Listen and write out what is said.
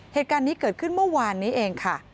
เหตุการณ์นี้เกิดขึ้นเมื่อวานนี้เองค่ะ